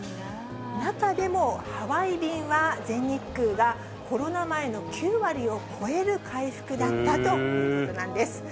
中でもハワイ便は全日空がコロナ前の９割を超える回復だったということなんです。